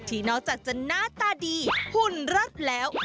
ที่นอกจากจะหน้าตาดีหุ่นรัฐแล้ว